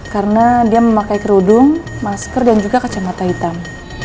karena dia memakai kerudung masker dan juga kacamata hitam